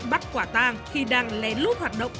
bắt quả tang khi đang lén lút hoạt động